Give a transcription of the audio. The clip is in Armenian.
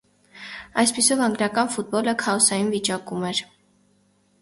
Այսպիսով անգլիական ֆուտբոլը քաոսային վիճակում էր։